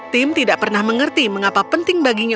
tim tidak pernah mengerti mengapa penting baginya